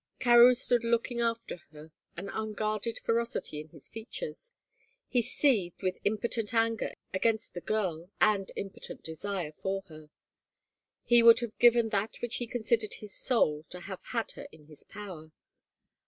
Carewe stood looking after her, an unguarded ferocity in his features. He seethed with impotent anger against the girl and impotent desire for her. He would have given that which he considered his soul to have had her in his power.